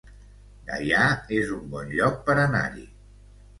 Gaià es un bon lloc per anar-hi